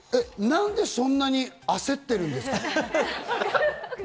なんでそんなに焦ってるんですか？